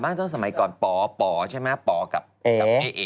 ไม่ใช่แล้วแบบฉันขาบมาก